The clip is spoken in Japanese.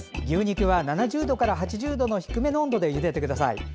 牛肉は７０度から８０度の低めの温度でゆでてください。